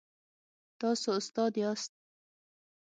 تاسو استاد یاست؟